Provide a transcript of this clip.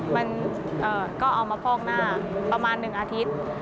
มันก็เอามาฟอกหน้าประมาณ๑อาทิตย์